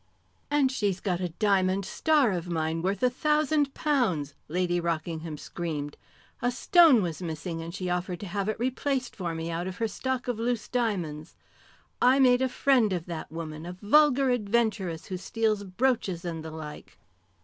"And she's got a diamond star of mine worth a thousand pounds!" Lady Rockingham screamed. "A stone was missing, and she offered to have it replaced for me out of her stock of loose diamonds. I made a friend of that woman, a vulgar adventuress, who steals brooches and the like."